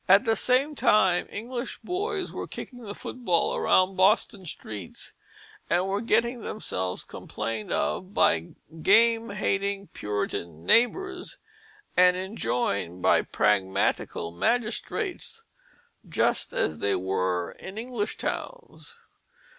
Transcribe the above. At the same time English boys were kicking the foot ball around Boston streets, and were getting themselves complained of by game hating Puritan neighbors, and enjoined by pragmatical magistrates, just as they were in English towns.